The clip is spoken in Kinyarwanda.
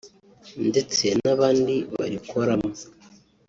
ndetse n’abandi barikoramo